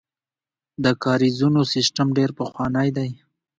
د کاریزونو سیسټم ډیر پخوانی دی